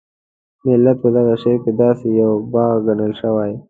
ملت په دغه شعر کې داسې یو باغ ګڼل شوی.